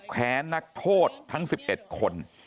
แค้นนักโทษทั้ง๑๑คน